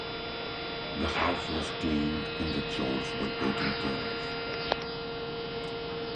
The house was cleaned and the chores were taken care of.